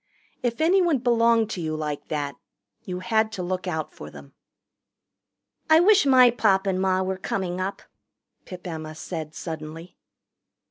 If anyone belonged to you like that, you had to look out for them. "I wish my Pop and Ma were coming up," Pip Emma said suddenly.